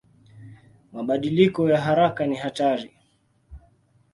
Mabadiliko ya haraka ni hatari.